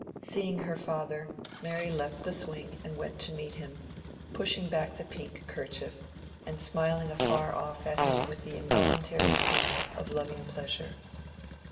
Seeing her father, Mary left the swing and went to meet him, pushing back the pink kerchief and smiling afar off at him with the involuntary smile of loving pleasure.